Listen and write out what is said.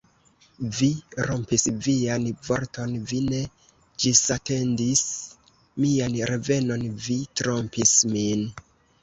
Vi rompis vian vorton, vi ne ĝisatendis mian revenon, vi trompis min!